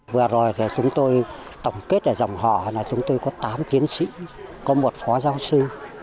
vừa rồi là chúng tôi tổng kết ở dòng họ là chúng tôi có tám tiến sĩ có một phó giáo sư